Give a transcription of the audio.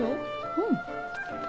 うん。